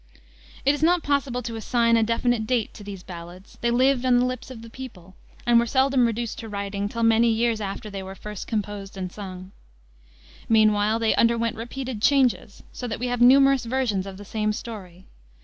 It is not possible to assign a definite date to these ballads. They lived on the lips of the people, and were seldom reduced to writing till many years after they were first composed and sung. Meanwhile they underwent repeated changes, so that we have numerous versions of the same story.